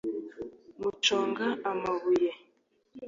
guconga amabuye